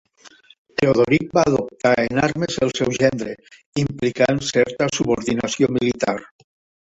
Teodoric va adoptar en armes el seu gendre, implicant certa subordinació militar.